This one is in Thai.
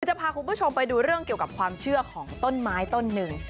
จะพาคุณผู้ชมไปดูเรื่องเกี่ยวกับความเชื่อของต้นไม้ต้นหนึ่ง